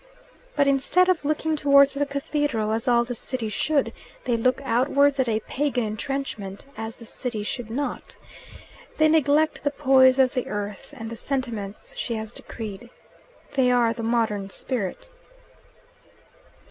But instead of looking towards the cathedral, as all the city should, they look outwards at a pagan entrenchment, as the city should not. They neglect the poise of the earth, and the sentiments she has decreed. They are the modern spirit.